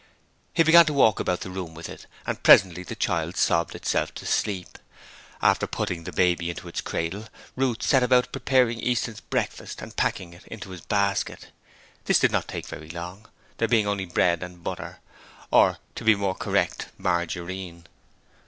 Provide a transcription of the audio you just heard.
He began to walk about the room with it, and presently the child sobbed itself to sleep. After putting the baby into its cradle Ruth set about preparing Easton's breakfast and packing it into his basket. This did not take very long, there being only bread and butter or, to be more correct, margarine.